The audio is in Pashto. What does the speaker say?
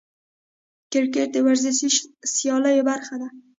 کرکټ د ورزشي سیالیو برخه ده.